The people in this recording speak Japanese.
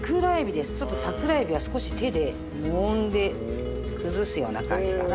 ちょっと桜エビは少し手でもんで崩すような感じかな。